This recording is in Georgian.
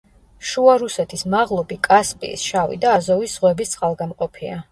შუა რუსეთის მაღლობი კასპიის, შავი და აზოვის ზღვების წყალგამყოფია.